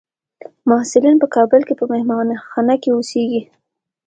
محصلین په کابل کې په مهانخانه کې اوسیږي.